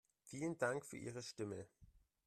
Vielen Dank für Ihre Stimme.